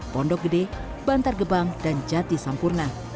pondok gede bantar gebang dan jati sampurna